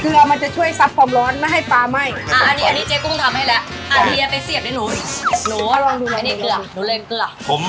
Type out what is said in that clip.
เกลือมันจะช่วยซับความร้อนไม่ให้ปลาไหม้